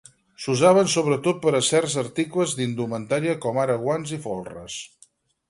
S'usaven sobretot per a certs articles d'indumentària com ara guants i folres.